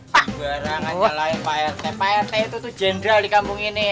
barang aja lain pak rt pak rt itu tuh jenderal di kampung ini